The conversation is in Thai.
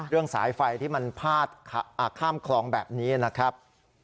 สายไฟที่มันพาดข้ามคลองแบบนี้นะครับ